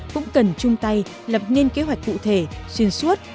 cũng cần chung tay lập nên kế hoạch cụ thể xuyên suốt